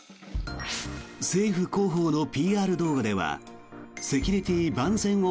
政府広報のＰＲ動画ではセキュリティー万全を